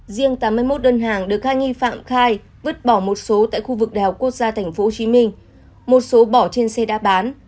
riêng tám mươi một đơn hàng được hai nghi phạm khai vứt bỏ một số tại khu vực đèo quốc gia tp hcm một số bỏ trên xe đã bán